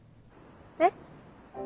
えっ？